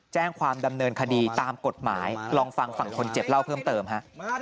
แจ้งความดำเนินคดีตามกฎหมายลองฟังฝั่งคนเจ็บเล่าเพิ่มเติมฮะ